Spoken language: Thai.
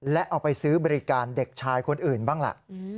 และเอาไปซื้อบริการเด็กชายคนอื่นบ้างล่ะ